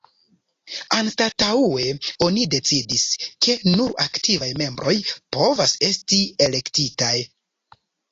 Anstataŭe oni decidis, ke nur "aktivaj membroj" povas esti elektitaj.